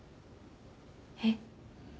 えっ？